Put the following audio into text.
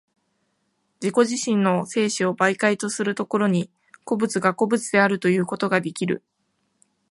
自己自身の生死を媒介とする所に、個物が個物であるということができる。